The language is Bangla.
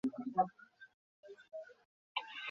তোমাকে অনেক মিস করেছি।